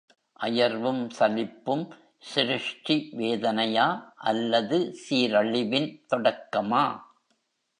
அயர்வும், சலிப்பும் சிருஷ்டி வேதனையா அல்லது சீரழிவின் தொடக்கமா?....